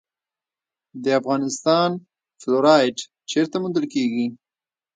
د افغانستان فلورایټ چیرته موندل کیږي؟